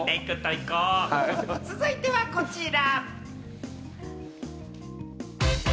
続いてはこちら！